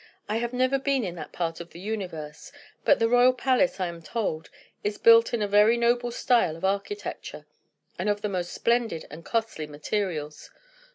I have never been in that part of the universe; but the royal palace, I am told, is built in a very noble style of architecture, and of the most splendid and costly materials.